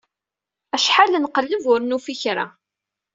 Acḥal nqelleb, ur nufi kra.